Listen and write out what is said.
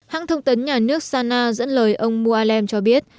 hãng thông tấn nhà nước sana dẫn lời ông mohalem cho biết